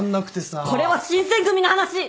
これは新選組の話！